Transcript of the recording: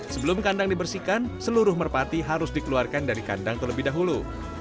sebelum kandang dibersihkan seluruh merpati harus dikeluarkan dari kandang terlebih dahulu